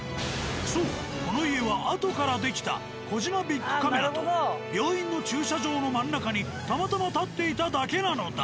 そうこの家はあとから出来た「コジマ×ビックカメラ」と病院の駐車場の真ん中にたまたま建っていただけなのだ。